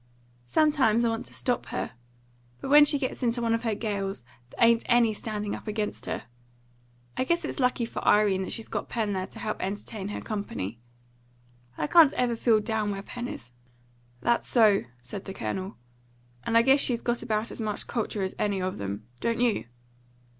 Sometimes I want to stop her; but when she gets into one of her gales there ain't any standing up against her. I guess it's lucky for Irene that she's got Pen there to help entertain her company. I can't ever feel down where Pen is." "That's so," said the Colonel. "And I guess she's got about as much culture as any of them. Don't you?"